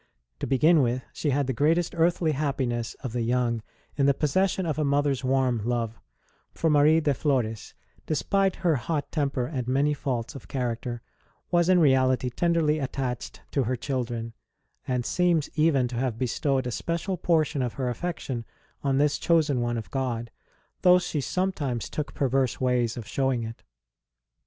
To begin with, she had the greatest earthly happiness of the young in the possession of a mother s warm love ; for Marie de Flores, despite her hot temper and many faults of character, was in reality tenderly attached to her children, and seems even to have bestowed a special portion of her affection on this chosen one of God, though she sometimes 4 ST. ROSE OF LIMA took perverse ways of showing it.